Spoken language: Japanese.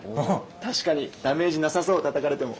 確かにダメージなさそうたたかれても。